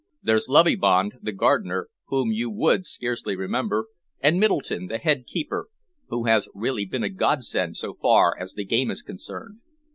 There's Loveybond, the gardener, whom you would scarcely remember, and Middleton, the head keeper, who has really been a godsend so far as the game is concerned.